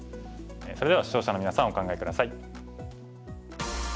それでは視聴者のみなさんお考え下さい。